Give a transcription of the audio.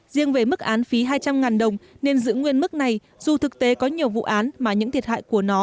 riêng về mức án phí hai trăm linh đồng nên giữ nguyên mức này dù thực tế có nhiều vụ án mà những thiệt hại của nó